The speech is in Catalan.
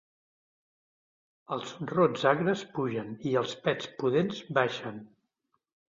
Els rots agres pugen i els pets pudents baixen.